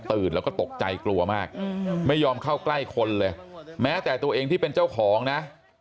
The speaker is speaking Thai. แล้วก็ตกใจกลัวมากไม่ยอมเข้าใกล้คนเลยแม้แต่ตัวเองที่เป็นเจ้าของนะ